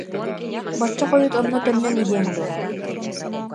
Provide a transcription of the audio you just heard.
Бачча хойут онно төннөн иһиэҥ дуо